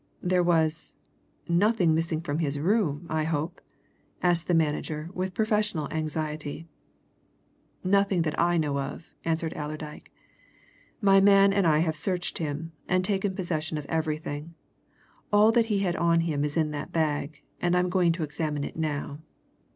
"There was nothing missing in his room, I hope?" asked the manager with professional anxiety. "Nothing that I know of," answered Allerdyke. "My man and I have searched him, and taken possession of everything all that he had on him is in that bag, and I'm going to examine it now.